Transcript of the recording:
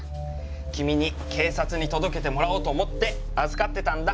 君に警察に届けてもらおうと思って預かってたんだ。